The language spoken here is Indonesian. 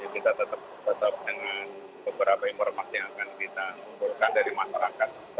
kita tetap dengan beberapa informasi yang akan kita kumpulkan dari masyarakat